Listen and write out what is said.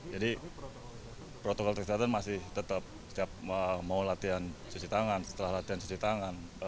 jadi protokol kesehatan masih tetap setiap mau latihan cuci tangan setelah latihan cuci tangan